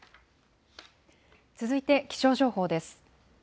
続いて気象情報です。